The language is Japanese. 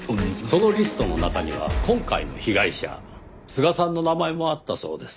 そのリストの中には今回の被害者須賀さんの名前もあったそうです。